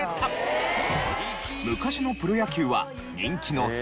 昔のプロ野球は人気のセ